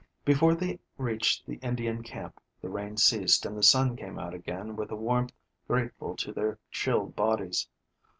Before they reached the Indian camp the rain ceased and the sun came out again with a warmth grateful to their chilled bodies.